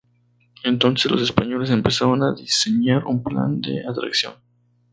Entonces, los españoles empezaron a diseñar un plan de atracción.